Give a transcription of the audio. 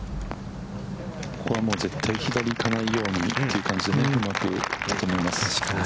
ここはもう絶対に左に行かないようにという感じでうまく整えます。